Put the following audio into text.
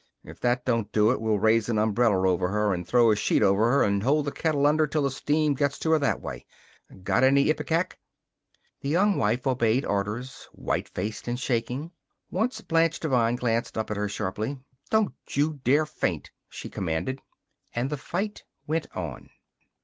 If that don't do it we'll raise an umbrella over her and throw a sheet over, and hold the kettle under till the steam gets to her that way. Got any ipecac?" The Young Wife obeyed orders, white faced and shaking. Once Blanche Devine glanced up at her sharply. "Don't you dare faint!" she commanded. And the fight went on.